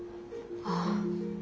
ああ。